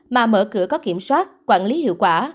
mà mở cửa có kiểm soát quản lý hiệu quả